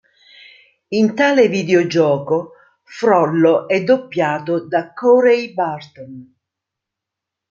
In tale videogioco Frollo è doppiato da Corey Burton.